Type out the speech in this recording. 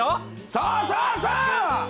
そうそうそう！